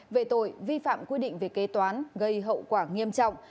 về tội vi phạm quy định về kế toán gây hậu quả nghiêm trọng